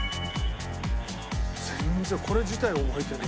「全然これ自体を覚えてない」